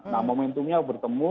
nah momentumnya bertemu